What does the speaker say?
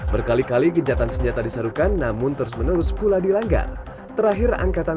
berkali kali gencatan senjata disarukan namun terus menerus pula dilanggar terakhir angkatan